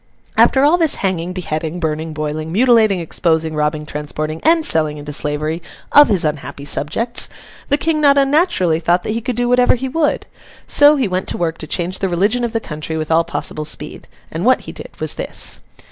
After all this hanging, beheading, burning, boiling, mutilating, exposing, robbing, transporting, and selling into slavery, of his unhappy subjects, the King not unnaturally thought that he could do whatever he would. So, he went to work to change the religion of the country with all possible speed; and what he did was this.